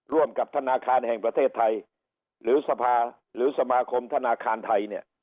กับธนาคารแห่งประเทศไทยหรือสภาหรือสมาคมธนาคารไทยเนี่ย